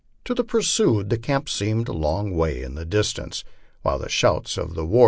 To the pursued, camp seemed a long way in the distance, while the shouts of the war.